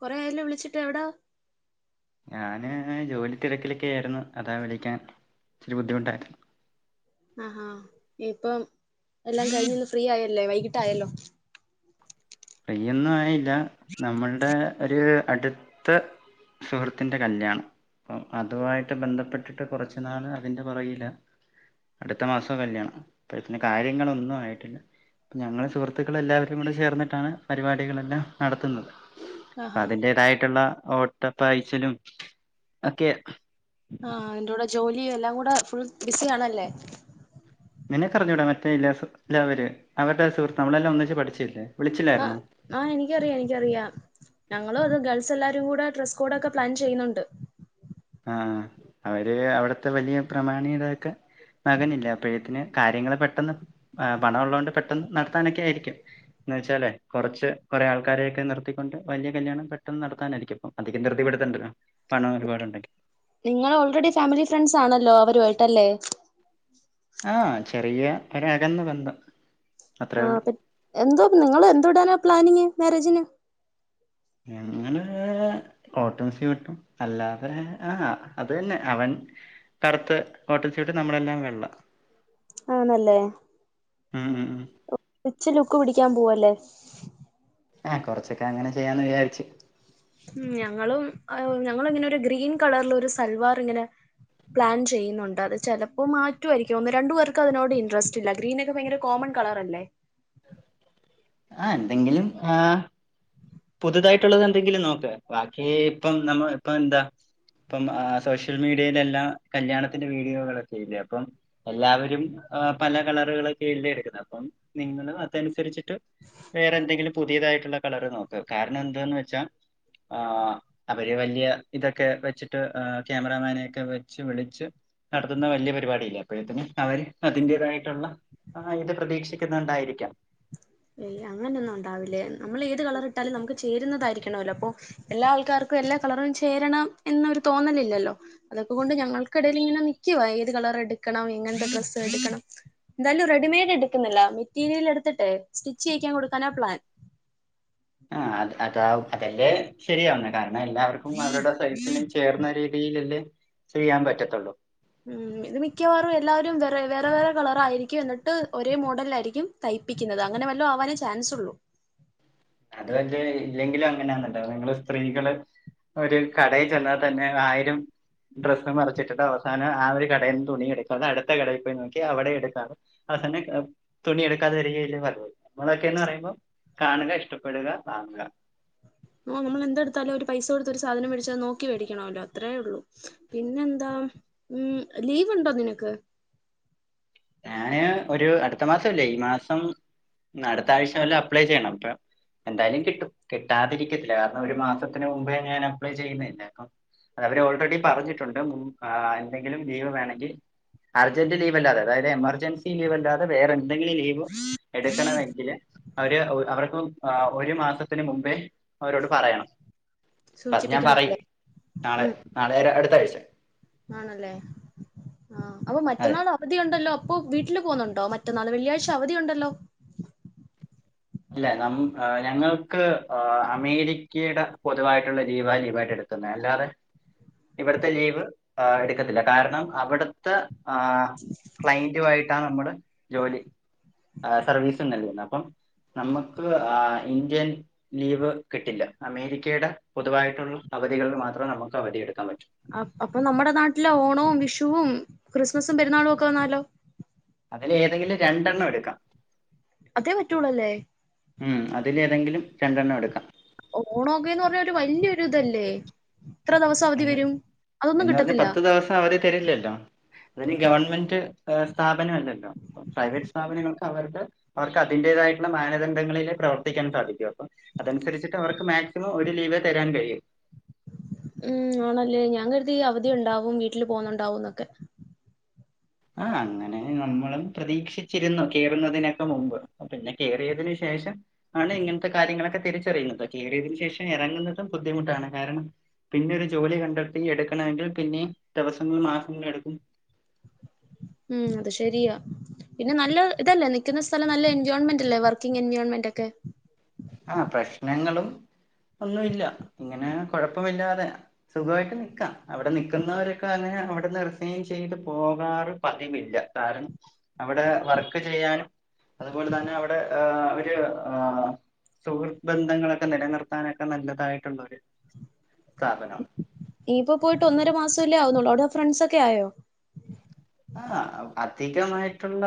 കൊറെ ആയല്ലോ വിളിച്ചിട്ട് എവിടാ ഞാന് ജോലി തിരക്കിലൊക്കെ ആയിരുന്നു അതാ വിളിക്കാൻ ഇച്ചിരി ബുദ്ധിമുട്ടായിരുന്നു ആഹാ ഇപ്പം എല്ലാം കഴിഞ്ഞന്ന് ഫ്രീ ആയല്ലേ വൈകിട്ടായല്ലോ ഫ്രീയൊന്നും ആയില്ല നമ്മൾടെ ഒരു അടുത്ത സുഹൃത്തിന്റെ കല്യാണം അം അതുമായിട്ട് ബന്ധപ്പെട്ടിട്ട് കുറച്ചുനാള് അതിന്റെ പൊറകിലാ അടുത്ത മാസോ കല്യാണം ഇപ്പഴ്ത്തിന് കാര്യങ്ങളൊന്നും ആയിട്ടില്ല പ്പ ഞങ്ങള് സുഹൃത്തുക്കൾ എല്ലാവരും കൂടെ ചേർന്നിട്ടാണ് പരിപാടികളെല്ലാം നടത്തുന്നത് ആഹാ അതിന്റെതായിട്ടുള്ള ഓട്ടപ്പായിച്ചലും ഒക്കെ ആ അതിന്റ്റൂട ജോലി എല്ലാം കൂടെ ഫുൾ ബിസി ആണല്ലേ നിനക്കറിഞ്ഞൂടേ മറ്റേ ഇല്ലാ ല്ലാവര് അവരുടെ സുഹൃത്ത് നമ്മളെല്ലാം ഒന്നിച്ച് പഠിച്ചയല്ലേ ആ ആ എനിക്കറിയ എനിക്കറിയ ഞങ്ങളും അത് ഗേൾസ് എല്ലാ രും കൂട ഡ്രസ് കോഡൊക്കെ പ്ലാൻ ചെയ്യുന്നുണ്ട് ആഹ് അവര് അവിടത്തെ വലിയ പ്രമാണി ഇതാക്കെ മകനില്ല അപ്പോഴത്തിന് കാര്യങ്ങള് പെട്ടെന്ന് പണ ഉള്ളത് കൊണ്ട് പെട്ടെന്ന് നടത്താനൊക്കെ ആയിരിക്കും എന്ന് വെച്ചാലേ കുറച്ച് കുറേ ആൾക്കാരെയൊക്കെ നിർത്തിക്കൊണ്ട് വലിയ കല്യാണം പെട്ടെന്ന് നടത്താനായിരിക്കുംപ്പം അധികം ധൃതിപ്പെടുത്തണ്ടല്ലോ പണം ഒരുപാടുടെങ്കി നിങ്ങൾ ഓൾറെഡി ഫാമിലി ഫ്രണ്ട്സ് ആണല്ലോ അവരുമായിട്ടല്ലേ ആഹ് ചെറിയ ഒരകന്ന ബന്ധം അത്രേ ആ ഉള്ളൂ പി എന്തോ നിങ്ങള് എന്തോടാനാണ് പ്ലാനിങ് മാരേജിന് ഞങ്ങള് കോട്ടും സ്യൂട്ടും അല്ലാതെ ആ അത് തന്നെ അവൻ കറുത്ത കോട്ടാൻ സ്യൂട്ട് നമ്മളെല്ലാം വെള്ള ആണല്ലേ ഉം ഉം ഉം ഉച്ച ലുക്ക് പിടി ക്കാൻ പോവല്ലേ ആ കൊറച്ചൊക്കെ അങ്ങനെ ചെയ്യാന്ന് വിചാരിച്ചു ഉം ഞങ്ങളും ഞങ്ങള് ഇങ്ങനെ ഒരു ഗ്രീൻ കളറിലൊരു സൽവാർ ഇങ്ങനെ പ്ലാൻ ചെയ്യുന്നുണ്ട് അത് ചെലപ്പോ മാറ്റുമായിരിക്കും ഒന്ന് രണ്ടു പേർക്ക് അതിനോട് ഇൻട്രറസ്റ്റ് ഇല്ല ഗ്രീനൊക്കെ ഭയങ്കര കോമൺ ൺ കളറല്ലേ ആ എന്തെങ്കിലും ആ പുതുതായിട്ടുള്ളത് എന്തെങ്കിലും നോക്ക് ബാക്കി ഇപ്പം നമ്മ ഇപ്പൊ എന്താ ഇപ്പം സോഷ്യൽ മീഡിയയിലെ എല്ലാം കല്യാണത്തിന്റെ വീഡിയോകളൊക്കെ ഇല്ലേ അപ്പം എല്ലാവരും പല കളറുകളക്കെല്ലെ എടുക്കുന്നത് അപ്പം നിങ്ങളും അതനുസരിച്ച് ട്ട് വേറെ എന്തെങ്കിലും പുതിയതായിട്ടുള്ള കളർ നോക്ക കാരണം എന്താന്ന് വെച്ചാ ആ അവര് വലിയ ഇതൊക്കെ വെച്ചിട്ട് ക്യാമറമാനെക്കെ വെച്ച് വിളിച്ച് നടത്തുന്ന വലിയ പരിപാടിയല്ലെ അപ്പോഴത്തിന് അവര് അതിന്റേതായിട്ടുള്ള ആ ഇത് പ്രതീക്ഷിക്കുന്നുണ്ടായിരിക്കാം എയ് അങ്ങനെയൊന്നുണ്ടാവില്ലേ നമ്മൾ ഏത് കളറിട്ടാലും നമുക്ക്. ചേരുന്നതായിരിക്കണല്ലോ അപ്പൊ എല്ലാ ആൾക്കാർക്കും എല്ലാ കളറും ചേരണം എന്നൊരു തോന്നലില്ലല്ലോ. ഇതൊക്കെക്കൊണ്ട് ഞങ്ങൾക്കിടയിൽ ഇങ്ങനെ നിക്കുവാ ഏത് കളർ എടുക്കണം എങ്ങനെതെ ഡ്രസ്സ് എടുക്കണം എന്തായാലും റെഡിമെ.. ീട് എടുക്കുന്നില്ല മെറ്റീരിയൽ എടുത്തിട്ട് സ്റ്റിച്ച് ചെയിക്കാൻ കൊടുക്കാനാ പ്ലാൻ. ആ അ അതാ അതെല്ലേ ശരിയാവുന്ന കാരണം. എല്ലാവർക്കും അവരുടെ സൈസിനും ചേർന്ന രീതിയില്ലല്ലേ ചെയ്യാൻ പറ്റതൊള്ളൂ. ഉം ഇത് മിക്കവാറും എല്ലാവരും വേറെ വേറെ വേറെ കളറായിയിരിക്കും എന്നിട്ട് ഒരേ മോഡൽ ആയിരിക്കും തയ് പ്പിക്കുന്നത് അങ്ങനെ വല്ലോ ആവാനേ ചാൻസ് ഉള്ളു. അത് വലിയ ഇല്ലെങ്കിലും അങ്ങനെയന്നല്ലോ നിങ്ങള് സ്ത്രീകള് ഒരു കടയിൽ ചെന്നാതന്നെ ആയിരം ഡ്രസ്സ് മറിച്ചിട്ടിട്ട് അവസാനം ആ ഒരു കടയിന്ന് തുണി എടുക്കാതെ അടുത്ത കടയി പോയി നോക്കി അവിടെ എടുക്കാതെ തന്നെ തുണിയ എടുക്കാത വരികയില്ല നമ്മളൊക്കെന്ന് പറയുമ്പോ കാണുക ഇഷ്ടപ്പെടുക വാങ്ങുക നമ്മൾ എന്തെടുത്താലേ ഒരു പൈസ കൊടുത്തൊരു സാധനം മേടിച്ചാ നോക്കി മേടിക്കണമല്ലോ അത്രേ ഉള്ളൂ പിന്നെന്താ ഉം ലീവുണ്ടോ നിനക്ക് ഞാന് ഒരു അടുത്ത മാസോല്ലേ ഈ മാസം അടുത്ത ആഴ്ച വല്ലോ അപ്ലൈ ചെയ്യണം അപ്പ എന്തായാലും കിട്ടും കിട്ടാതിരിക്കത്തില്ല കാരണം ഒരു മാസത്തിന് മുമ്പേ ഞാൻ അപ്ലൈ ചെയ്യുന്നല്ലെ അപ്പം അത് അവര് ഓൾറെഡി പറഞ്ഞിട്ടുണ്ട്് മും എന്തെങ്കിലും ലീവ് വേണമെങ്കിൽ അർജന്റ് ലീവ് അല്ലാതെ അതായത് എമർജൻസി ലീവല്ലാതെ വേറെന്തെങ്കിലും ലീവ് എടു ണമെങ്കില് അവര് അവർക്ക് ഒരു മാസത്തിനുമുമ്പേ അവരോട് പറയണം അ അത് ഞാൻ സൂചിപ്പിക്കണം പറയും അല്ലേ നാളെ ഉം നാളെരെ അടുത്തഴ്ച ആണല്ലേ ആ അപ്പൊ അതെ മറ്റന്നാൾ അവധിയുണ്ടല്ലോ അപ്പൊ വീട്ടില് പോവുന്നുണ്ടോ മറ്റന്നാള് വെള്ളിയാഴ്ച അവധിയുണ്ടല്ലോ ഇല്ല നമ് ഞങ്ങൾക്ക് അമേരിക്കെടെ പൊതുവായിട്ടുള്ള ലീവാ ലീവായിട്ട് എടു [unintelligible] അല്ലാതെ ഇവിടുത്തെ ലീവ് ഹ് എടുക്കത്തില്ല കാരണം അവിടുത്തെ ആ ക്ലയന്റു ആയിട്ടാണ് നമ്മുടെ ജോലി സർവീസ് ഒന്നുല്ലന്ന് അപ്പം നമുക്ക് ഇന്ത്യൻ ലീവ് കിട്ടില്ല അമേരിക്കയുടെ പൊതുവായിട്ടുള്ള അവധികളിൽ മാത്രം നമക്ക് അവധിയെടുക്കാൻ പറ്റു അ അപ്പൊ നമ്മുടെ നാട്ടിലെ ഓണവും വിഷുവും ക്രിസ്മസും പെരുന്നാളു ഒക്കെ വന്നാലോ അതിൽ ഏതെങ്കിലും രണ്ടെണ്ണം എടുക്കാം അതേ പറ്റുള്ളൂ അല്ലേ ഉം അതിൽേഏതെങ്കിലും രണ്ടെണ്ണം എടുക്കാം ഓണോക്കെന്ന് പറഞ്ഞ ഒരു വല്യൊരു ഇതല്ലേ ഇത്ര ദിവസം അവധി എന്ന വരും അതൊന്നും എന്ന പറഞ്ഞ് കിട്ടത്തില്ല പത്ത് ദവസം അവര് തരില്ലല്ലോ അതിന് ഗവൺമെന്റ് സ്ഥാപനം അല്ലല്ലോ പ്രൈവറ്റ് സ്ഥാപനങ്ങൾക്ക് അവരടെ അവർക്ക് അതി ന്റെയാതായിട്ടുള്ള മാനദണ്ഡങ്ങളിലെ പ്രവർത്തിക്കാൻ സാധിക്കും അപ്പൊ അതനുസരിച്ചി് അവർക്ക് മാക്സിമം ഒരു ലീവ് തരാൻ കഴി കഴിയു ഉം ആണല്ലേ ഞാൻകരുതി അവധിയണ്ടാകും വീട്ടിൽ പോകുന്നുണ്ടാവുംന്നൊക്കെ ആ അങ്ങനെ നമ്മളും പ്രതീക്ഷിച്ചിരുന്നു കേയറുന്നതിനൊക്കെ മുമ്പ് പിന്നെ കേയറിയതിനു ശേഷം ശേഷം ആണ് ഇങ്ങനത്തെ കാര്യങ്ങളൊക്കെ തിരിച്ചറിയുന്നത് കയറിയതിനു ശേഷം ഇറങ്ങുന്നതും ബുദ്ധിമുട്ടാണ് കാരണം പിന്നെ ഒരു ജോലി കണ്ടെത്തി എടുക്കണമെങ്കിൽ പിന്നെ ദിവസങ്ങളും മാസങ്ങൾ എടുക്കും ഉം അത് ശരിയാ പിന്നെ നല്ല ഇതല്ലേ നിക്കുന്ന സ്ഥലം നല്ല എൻജോയൺമെന്റ് അല്ലേ വർക്കിങ് എൻവിയോൺമെന്റ് ഒക്കെ ആഹ് പ്രശ്നങ്ങളും ഒന്നുമില്ല ഇങ്ങനെ കൊഴപ്പമില്ലാതെ സുഖമായിട്ട് നിക്കാം അവിടെ നിക്കുന്നവരൊക്കെ അങ്ങനെ അവിടുന്ന് റിസൈൻ ചെയ്ത് പോകാറ് പതിവില്ല കാരണം അവിടെ വർക്ക് ചെയ്യാനും അതുപോലെ തന്നെ അവിടെ അവര് ആ സുഹൃത് ബന്ധങ്ങളൊക്കെ നിലനിർത്താനൊക്കെ നല്ലതായിട്ടുള്ളൊരു സ്ഥാപനം ഇയിപ്പോ പോയിട്ട് ഒന്നര മാസമല്ലേ ആവുന്നുള്ളൂ അവിടെ ഫ്രണ്ട്സൊക്കെ ആയോ ആ അധികമായിട്ടുള്ള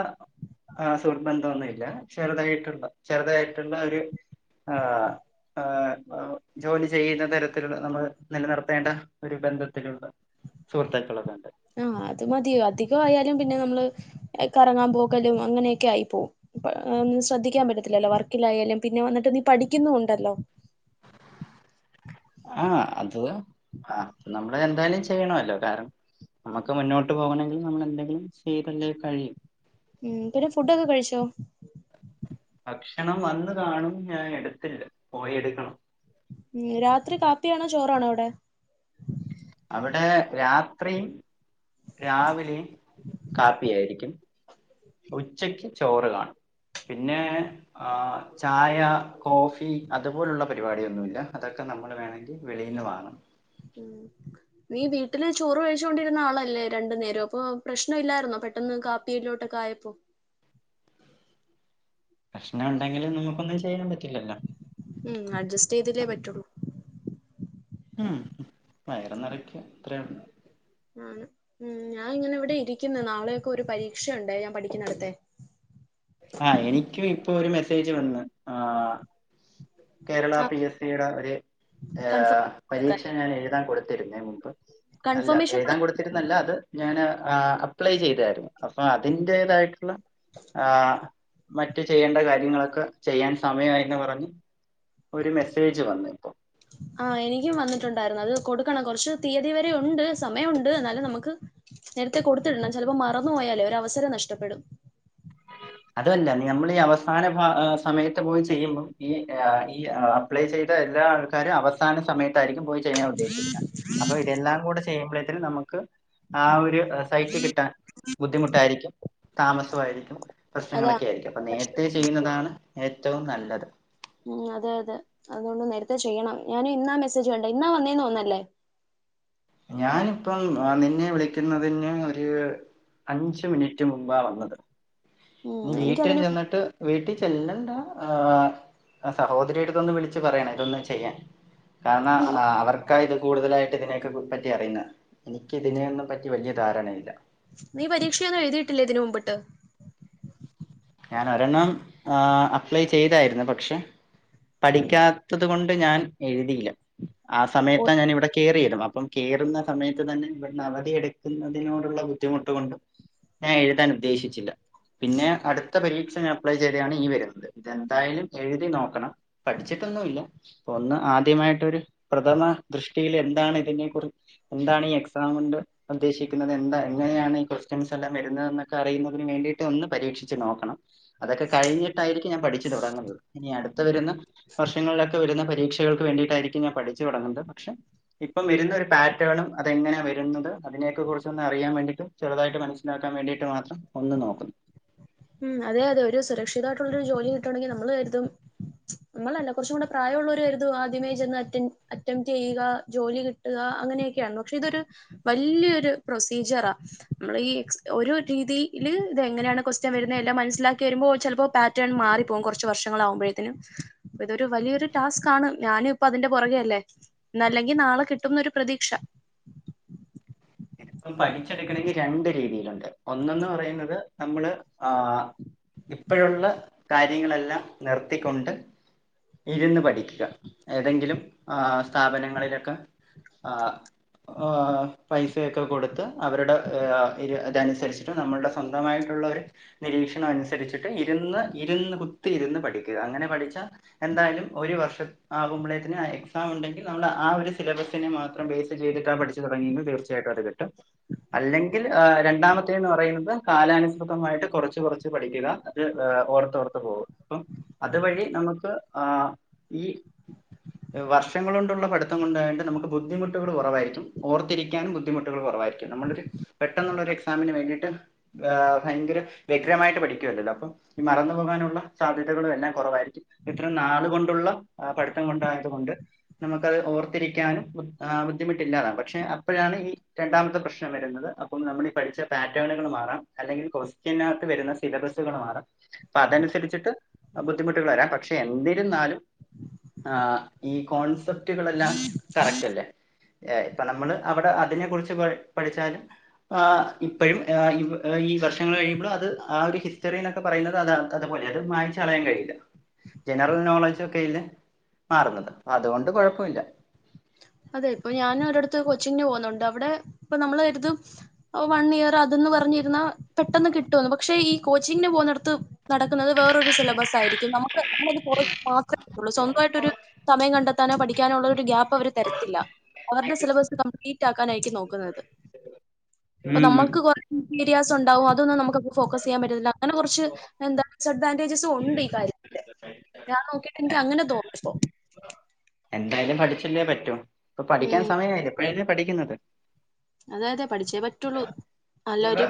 ആ സുഹൃബന്തോന്നില്ല ചെറുതായിട്ടുള്ള ചെറുതായിട്ടുള്ള ഒരു ആ് ആ ജോലി ചെയ്യുന്ന തരത്തിലുള്ള നമ്മൾ നിലനിർത്തേണ്ട ഒരു ബന്ധത്തിലുള്ള സഹൃത്ത്ക്കളൊക്ക്‌ണ്ട് ആഹ അത് മതിയോ അധിക ആയാലും പിന്നെ നമ്മള് കറങ്ങാൻ പോകലും അങ്ങനെയൊക്കെ ആയി പോവും [inaudible] ശ്രദ്ധിക്കാൻ പറ്റത്തില്ലോ വർക്കിലായാലും പിന്നെ വന്നിട്ട് നീ പഠിക്കുന്നുവുണ്ടല്ലോ ആഹ് അത് ആ നമ്മള് എന്തായാലും ചെയ്യണല്ലോ കാരണം നമ്മുക്ക് മുന്നോട്ട് പോകണമെങ്കിൽ നമ്മൾ എന്തെങ്കിലും ചെയ്തല്ലേ കഴിയു ഉം പിന്നെ ഫുഡൊക്കെ കഴിച്ചോ ഭക്ഷണം വന്ന് കാണും ഞാൻ എടുത്തില്ല പോയി എടുക്കണം ഉം രാത്രി കാപ്പിയാണോ ചോറാണോ അവിടെ അവിടെ രാത്രിയും രാവിലെ കാപ്പിയായിരിക്കും ഉച്ചക്ക് ചോറ് കാണും പിന്നെ ആ ചായ കോഫി അതുപോലുള്ള പരിപാടിയൊന്നുമി ല്ല അതൊക്കെ നമ്മൾ വേണമെങ്കിൽ വെളിയിൽന്ന് വങ്ങണം ഉ നീ വീട്ടില് ചോറ് കഴിച്ചൊണ്ടിരുന്ന ആളല്ലേ രണ്ടു നേരവും അപ്പൊ പ്രശ്നം ഇല്ലായിരുന്നോ [unintelligible] പെട്ടന്ന് കാപ്പിയിലോട്ടൊക്കെ ആയപ്പോ [inaudible] പ്രശ്നം ഉണ്ടെങ്കിൽ നമുക്കൊന്നും ചെയ്യാൻ പ ഉം അഡ്ജസ്റ്റ് ചെയ്തില്ലേ പറ്റുള്ളൂ ഉം വയറ നിറക്ക അത്ര [unintelligible] ഉ ഞാൻ ഇങ്ങനെ ഇവിടെ ഇരിക്കുന്ന നാളെയൊക്കെ ഒരു പരീക്ഷയുണ്ട് ഞാൻ പഠിക്കുന്നിടത്തെ ആ് എനിക്കും ഇപ്പൊ ഒരു മെസ്സേജ് വന്ന് ആ കേരള പി എസ് സിയുടെ ഒരു അ കൺഫോം കൊടുക്കാൻ പരീക്ഷ ഞാൻ എഴുതാൻ കൊടുത്തിരുന്നു എ മുൻപ് അല്ല കൺഫർമേഷൻ കൊടു എഴുതാൻ കൊടുത്തിരുന്നല്ല അത് ഞാന് അ അപ്ലൈ ചെയ്തായിരുന്നു അപ്പൊ അതിന്റേതായിട്ടുള്ള ആ മറ്റു ചെയ്യേണ്ട കാര്യങ്ങളൊക്കെ ചെയ്യാൻ സമയമായിന്ന് പറഞ്ഞ് ഒരു മെസ്സേജ് വന്നു ഇപ്പോ ആ എനിക്കും വന്നിട്ടുണ്ടായിരുന്നു അത് കൊടുക്കണം കൊറച്ച് തീയതി വരെ ഉണ്ട് സമയമുണ്ട് എന്നാലും നമുക്ക് നേരത്തെ കൊടുത്തിടണം ചിലപ്പോ മറന്നു പോയാലേ ഒരു അവസരം നഷ്ടപ്പെടും അതു അല്ല നമ്മൾ ഈ അവസാന ഫ അ സമയത്ത് പോയി ചെയ്യുമ്പോൾ ഈ ഈ അപ്ലൈ ചെയ് എല്ലാ ആൾക്കാരും അവസാന സമയത്തായിരിക്കും പോയി ചെയ്യാൻ ഉദ്ദേശിക്കുന്നത് അപ്പൊ ഇതെല്ലാം കൂടെ ചെയ്യുമ്പോഴത്തും നമുക്ക് ആ ഒരു സൈറ്റ് കിട്ടാൻ ബുദ്ധിമുട്ടായിരിക്കും താമസമായിരിക്കും അതാ പ്രശ്നങ്ങളൊക്കെ ആയിരിക്കും അപ്പൊ നേരത്തെ ചെയ്യുന്നതാണ് ഏറ്റവും നല്ലത് ഉം അതെ അതെ അതുകൊണ്ട് നേരത്തെ ചെയ്യണം ഞാനും ഇന്നാ മെസ്സേജ് കണ്ട ഇന്നാ വന്നേന്ന് തോന്നല്ലേ ഞാനിപ്പം നിന്നെ വിളിക്കുന്നതിന് ഒരു അഞ്ച മിനിറ്റ് മുമ്പാ വന്നത് ഇനി ഉം വീട്ടിൽ എനിക്കതിന് ചെന്നിട്ട് വീട്ടിൽ ചെല്ലേണ്ട ആ സഹോദരി അടുത്തൊന്ന് വിളിച്ച് പറയണം ഇതൊന്ന് ചെയ്യാൻ കാരണം അവർക്ക് ഇത് കൂടുതലായിട്ട് ഇതിനെയൊക്കെ കു പറ്റി അറിയുന്ന എനിക്ക് ഇതിനെയോന്നും പറ്റി വലിയ ധാരണയില്ല നീ പരീക്ഷയൊന്നും എഴുതിയിട്ടില്ലേ [unintelligible] ഞാൻ ഒരെണ്ണം ആ അപ്ലൈ ചെയ്തായിരുന്നു പക്ഷെ പഠിക്കാത്തത് കൊണ്ട് ഞാൻ എഴുതിയില്ല ആ ഓ സമയത്താ ഞാൻ ഇവിടെ കയറിതും അപ്പം കെ കയറുന്ന സമയത്ത് തന്നെ ഇവിടുന്ന് അവധിയ എടുക്കുന്നതിനോടുള്ള ബുദ്ധിമുട്ട് കൊണ്ടും ഞാൻ എഴുതാൻ ഉദ്ദേശിച്ചില്ല പിന്നെ അടു ത്ത പരീക്ഷ ഞൻ അപ്ലൈ ചെയ്തതാണ് ഈ വരുന്നത് ഇതെന്തായാലും എഴുതി നോക്കണം പഠിച്ചിട്ടൊന്നു ഇല്ല ഒന്ന് ആദ്യമായിട്ടൊരു പ്രഥമ ദൃഷ്ടിയിൽ എന്താണ് ഇതിനെകുറി എന്താണ് ഈ എക്സാമ് ഉണ്ട് ഉദ്ദേശിക്കുന്നത് എന്താ എങ്ങനെയാണ് ഈ ക്വസ്റ്റ്യൻസ് എല്ലാം വരുന്നത എന്നൊക്കെ അറിയുന്നതിന് വേണ്ടിയിട്ട് ഒന്ന് പരീക്ഷിച്ച് നോക്കാം [unintelligible] അതൊക്കെ കഴിഞ്ഞിട്ടായിരിക്കും ഞാൻ പഠിച്ചു തുടങ്ങുന്നത് ഇനി അതൊക്കെ കഴിഞ്ഞിട്ടായിരിക്കും ഞാൻ പഠിച്ചു തുടങ്ങുവാ ഇനി അടുത്ത വരുന്ന വർഷങ്ങളിലൊക്കെ വരുന്ന പരീക്ഷകൾക്ക് വേണ്ടി ണ്ടരിക്കും ഞാൻ പഠിച്ചു തുടങ്ങുന്നത് പക്ഷെ ഇപ്പം വരുന്ന ഒരു പാറ്റേണും അതെങ്ങനെ വരുന്നത് അതിലേക്ക് ജസ്റ്റൊന്ന് അറിയാൻ വേണ്ടിട്ടും ചെറുതായിട്ട് മനസ്സിലാക്കാൻ വേണ്ടിട്ടും മാത്രം ഒന്ന് നോക്കും ഉം അതെ അതെ ഒരു സുരക്ഷിതായിട്ടുള്ളൊരു ജോലി കിട്ടണെങ്കിൽ നമ്മള് കരുതും നമ്മളല്ല കുറച്ചും കൂടെ പ്രായൊള്ളവര് കരുതുവ ആദ്യമേ ചെന്ന് അറ്റ അറ്റംറ്റ് ചെയ്യുക ജോലി കിട്ടുകാ അങ്ങ് അങ്ങനെയൊക്കെയാ പക്ഷെ ഇതൊരു വല്ല്യൊരു പ്രൊസീജിയറ നമ്മളെ ഈ ഒരു രീതിയില് ഇത എങ്ങനെയാണ് ക്വൊസ്റ്റ്യൻ വരുന്നെല്ലാം മനസിലാക്കി വരുമ്പോ ചിലപ്പോ പാറ്റേൺ മാറിപ്പോവും കുറച്ച് വർഷങ്ങളാവുമ്പോഴത്തിനും ഇതൊരു വലിയൊരു ടാസ്കാണ് ഞാനുപ്പൊ അതിന്റെ പുറകെ അല്ലേ ഇന്നല്ലെങ്കിൽ നാളെ കിട്ടുംന്നൊരു പ്രതീക്ഷ [unintelligible] [inaudible] ഇതിപ്പം പഠിച്ചെടുക്കണെങ്കി രണ്ട് രീതിയിലുണ്ട് ഒന്നന്ന് പറയുന്നത് നമ്മള് ആ ഇപ്പഴുള്ള കാര്യങ്ങളെല്ലാം നിർത്തിക്കൊണ്ട് ഇരുന്ന് പഠിക്കുക ഏതെങ്കിലും ആ സ്ഥാപനങ്ങളിലൊക്കെ ആഹ ഓ പൈസയൊക്കെ കൊടുത്ത് അവരുടെ ആ ഇ ഇതനുസരിച്ചിട്ട് നമ്മളുടെ സ്വന്തമായിട്ടുള്ളൊരു നിരീ അനുസരിച്ചിട്ട് ഇരുന്ന് ഇരുന്ന് കുത്തി ഇരുന്ന് പഠിക്കുക അങ്ങനെ പഠിച്ചാ എന്തായാലും ഒരു വർഷ ആവുമ്പളേക്കിന് എക്സാം ഉണ്ടെങ്കിൽ നമ്മൾ ആ ഒരു സിലബസിനെ മാത്രം ബേസ് ചെയ്തിട്ടാ പഠിച്ചു തുടങ്ങിയെങ്കിൽ തീർ ഏതാണ് കിട്ടാ അല്ലെങ്കിൽ രണ്ടാമത്തേന്ന് പറയുന്നത് കാലാനുസൃതമായിട്ട് കുറച്ച് കുറച്ച് പഠിക്കുക അത് ഓർത്തോർത്തു പോകും അപ്പം അതുവഴി നമുക്ക് ആ ഈ വർഷങ്ങളോണ്ടുള്ള പഠിത്തം കൊണ്ടായണ്ട് നമുക്ക് ബുദ്ധിമുട്ടുകൾ കൊറവായിരിക്കും ഓർത്തിരിക്കാനും ബുദ്ധിമുട്ടുകൾ കൊറവായിരിക്കും നമ്മളൊരു പെട്ടെന്നുള്ളൊരു എക്സാമിന് വേണ്ടിട്ട് ആ ഭയങ്കര വെഗ്രമായിട്ട് പ പഠിക്കൂല്ലല്ലോ അപ്പ ഈ മറന്നു പോകാനുള്ള സാധ്യതകളു എല്ലാം കുറവായിരിക്കും ഇത്ര നാളുകൊണ്ടുള്ള എ പ ഠിത്തം കൊണ്ടായത് കൊണ്ട് നമുക്കത് ഓർത്തിരിക്കാനും ആ ബുദ്ധിമുട്ടില്ലാതാ പക്ഷെ അപ്പഴാണ് ഈ രണ്ടാമത്തെ പ്രശ്നം വരുന്നത് അപ്പം നമ്മളീ പഠിച്ച പാറ്റേണുകൾ മാറാം അല്ലെങ്കിൽ ക്വസ്ത്യനകത്ത് വരുന്ന സിലബ ബസ്സ്കൾ മാറ അപ്പൊ അതനുസരിച്ചിട്ട് ബുദ്ധിമുട്ടുകൾ വരാം പക്ഷെ എന്തിരുന്നാലും ആ ഈ കോൺസെപ്റ്റുകളളെല്ലാം കറക്റ്റല്ലേ? ഏ ഇപ്പൊ നമ്മള് അവിടെ അതിനെ കുറിച്ച് പ പഠിച്ചാലും ആ് ഇപ്പഴും ഈ വർഷങ്ങൾ കഴിയുമ്പോ അത് ആ ഒരു ഹിസ്റ്ററിന്നൊക്കെ പറയുന്നത് അതാണ് കഥ പൊ അത് മായിച്ച് കളയാൻ കഴിയില്ല ജനറൽ നോളജൊക്കെയിൽ മാറുന്നുണ്ട് അതുകൊണ്ട് കൊഴപ്പയില്ല അതെ ഇപ്പൊ ഞാൻ ഒരിടുത്ത് കോച്ചിങ്ങിന് പോകുന്നുണ്ട് അവിടെ ഇപ്പ നമ്മൾ കരുതും വൺ ഇയർ അത് പറഞ്ഞിരുന്ന പെട്ടെന്ന് കിട്ടുവെന്ന് പക്ഷെ ഈ കോച്ചിങ്ങിന് പോവുന്നിടത്ത് നടക്കുന്നത് വേറൊരു സിലബസായിരിക്കും നമുക്ക്റ മാത്രേള്ളൂ സ്വന്തമായിട്ട് ഒരു സമയം കണ്ടെത്താനോ പഠിക്കാനോ ഉള്ളൊരു ഗ്യാപ്പ് അവര് തര്ല്ല [inaudible] തില അവരുടെ സിലബസ് കംപ്ലീറ്റ് ആക്കാനായിരിക്കും നോക്കുന്നത് ഉം അപ്പൊ ഉം നമ്മുക്ക് കൊറേ ഏരിയാസ്ണ്ടാവും അതൊന്നും നമുക്ക് ഫോക്കസിയ്യാൻ പറ്റണില്ല അങ്ങനെ കൊറച്ച് എന്താ ഡിസഡ്വന്റ്വാജസും ഉണ്ടീ കാര്യത്തിൽ ഞാൻ നോക്കിയിട്ടിൻക്കങ്ങനെ തോന്നി [inaudible] എന്തായാലും പഠിച്ചല്ലേ പറ്റൂ ഇപ്പൊ പഠിക്കാൻ സമയയില്ലേ ഇപ്പഴല്ലേ പഠിക്കുന്നത് അതെതെ പഠിച്ചേ പറ്റുള്ളൂ നല്ലൊരു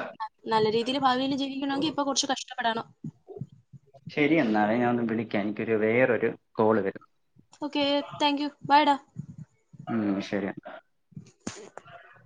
നല്ല രീ ഇത്തിരി ഭാവിയിൽ ജീവിക്കണെങ്കിൽ ഇപ്പൊ കൊർച്ച് കഷ്ടപ്പെടാണം ശരിയ എന്നാളെ ഞാൻ ഒന്ന് വിളിക്ക എനിക്കൊരു വേറൊരു കോള് വരുന്നു ഓക്കേ താങ്ക് യൂ ബായ് ടാ ഉം ശരിയന്നാ [unintelligible]